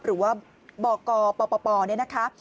หรือว่าบกปปเนี่ยนะคะ